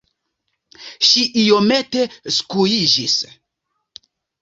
Ŝi iomete skuiĝis.